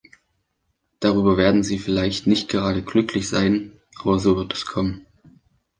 Darüber werden Sie vielleicht nicht gerade glücklich sein, aber so wird es kommen.